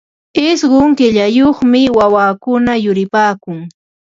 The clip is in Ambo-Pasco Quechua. Ishqun killayuqmi wawakuna yuripaakun.